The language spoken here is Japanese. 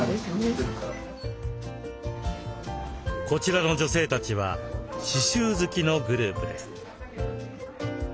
こちらの女性たちは刺繍好きのグループです。